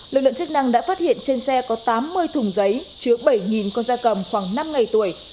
lực lượng chức năng đã phát hiện trên xe có tám mươi thùng giấy chứa bảy con da cầm khoảng năm ngày tuổi